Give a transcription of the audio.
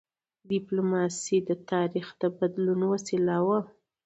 ډيپلوماسي د تاریخ د بدلون وسیله وه.